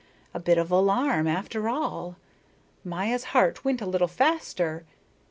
A bit of alarm, after all. Maya's heart went a little faster.